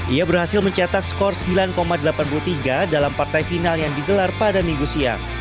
ia berhasil mencetak skor sembilan delapan puluh tiga dalam partai final yang digelar pada minggu siang